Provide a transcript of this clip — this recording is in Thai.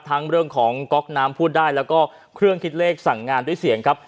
ทั้งเรื่องของก๊อกน้ำพูดได้แล้วก็เครื่องคิดเลขสั่งงานด้วยเสียงครับ